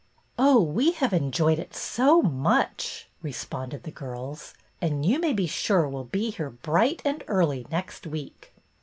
" Oh, we have enjoyed it so much," re sponded the girls, " and you may be sure we 'll be here bright and early next week."